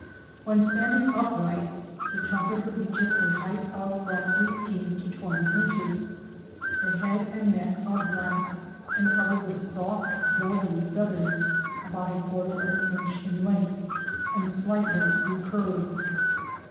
When standing upright, the Trumpeter reaches a height of from 18 to 20 inches. The head and neck are black and covered with soft velvety feathers, about a quarter of an inch in length, and slightly recurved.